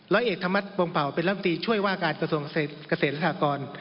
ร้อยเอกธรรมนัฐพงภาวเป็นรัฐมนตรีช่วยว่าการกระทรวงเกษตรรัฐากร